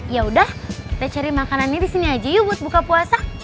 ya udah kita cari makanannya di sini aja yuk buat buka puasa